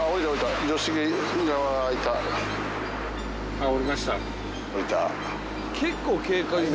あっ降りました。